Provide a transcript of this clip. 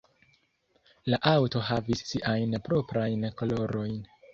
La aŭto havis siajn proprajn kolorojn.